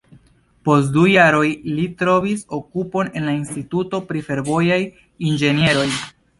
Post du jaroj, li trovis okupon en la Instituto pri Fervojaj Inĝenieroj.